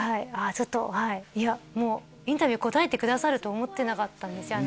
ちょっといやもうインタビュー答えてくださると思ってなかったんですよ